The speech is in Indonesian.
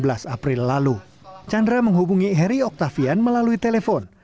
tujuh belas april lalu chandra menghubungi heri oktavian melalui telepon